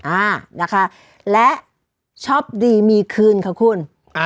อ่านะคะและช็อปดีมีคืนค่ะคุณ